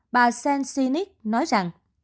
bà sennin nói rằng